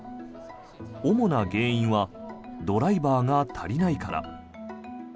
主な原因はドライバーが足りないから。